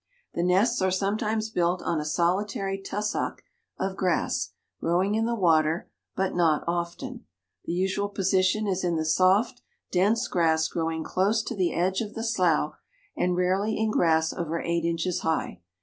The nests are sometimes built on a solitary tussock of grass, growing in the water, but not often. The usual position is in the soft, dense grass growing close to the edge of the slough, and rarely in grass over eight inches high.